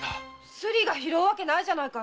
⁉スリが拾うわけないじゃないか。